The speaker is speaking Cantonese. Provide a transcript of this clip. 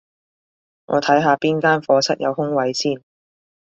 我睇下邊間課室有空位先